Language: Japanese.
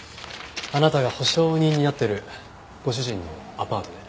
あなたが保証人になってるご主人のアパートで。